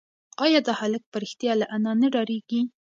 ایا دا هلک په رښتیا له انا نه ډارېږي؟